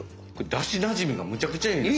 だしなじみがむちゃくちゃいいですね。